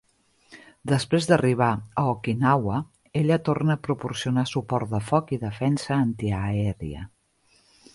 Després d'arribar a Okinawa, ella torna a proporcionar suport de foc i defensa antiaèria.